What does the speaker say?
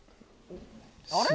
あれ？